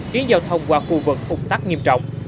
khiến giao thông qua khu vực ủng tắc nghiêm trọng